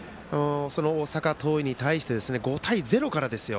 大阪桐蔭に対して５対０からですよ。